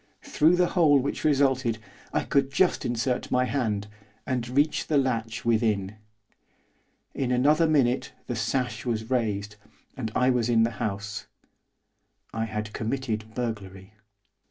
Through the hole which resulted, I could just insert my hand, and reach the latch within. In another minute the sash was raised, and I was in the house, I had committed burglary.